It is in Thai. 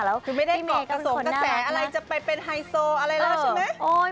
แล้วคือไม่ได้มีกระสงกระแสอะไรจะไปเป็นไฮโซอะไรแล้วใช่ไหม